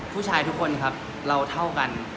ผู้ชายทุกคนครับเราเท่ากัน